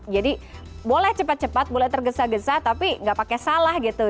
jadi boleh cepat cepat boleh tergesa gesa tapi tidak pakai salah gitu